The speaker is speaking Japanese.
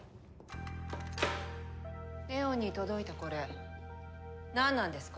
祢音に届いたこれなんなんですか？